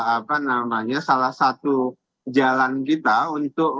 apa namanya salah satu jalan kita untuk